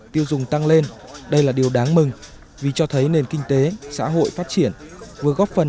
tiêu dùng tăng lên đây là điều đáng mừng vì cho thấy nền kinh tế xã hội phát triển vừa góp phần